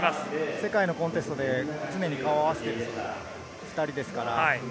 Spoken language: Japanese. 世界のコンテストで常に顔を合わせている２人ですから。